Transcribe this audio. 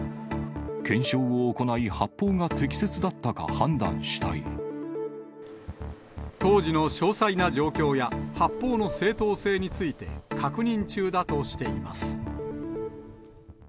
検証を行い、当時の詳細な状況や、発砲の正当性について、確認中だとしています。